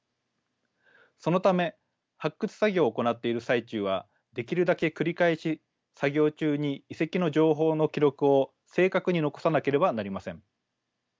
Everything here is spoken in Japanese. そのため発掘作業を行っている最中はできるだけ繰り返し作業中に遺跡の情報の記録を正確に残さなければなりません。